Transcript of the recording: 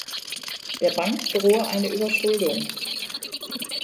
Der Bank drohe eine Überschuldung.